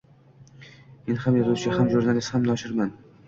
Men ham yozuvchi, ham jurnalist, ham noshirman